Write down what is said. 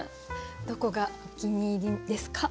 どこがお気に入りですか？